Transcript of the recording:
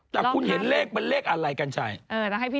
แต่คุณเห็นเลขมันเลขอะไรกันชัย